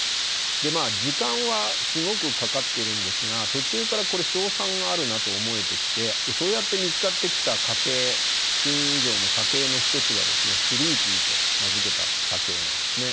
時間はすごくかかってるんですが途中からこれ勝算があるなと思えてきてそうやって見つかってきた家系睡眠異常の家系の一つがですねスリーピーと名付けた家系なんですね。